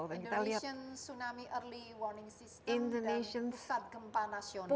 indonesia tsunami early warning system dan pusat gempa nasional